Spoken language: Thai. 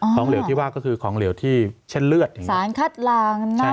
เหลวที่ว่าก็คือของเหลวที่เช่นเลือดสารคัดลาง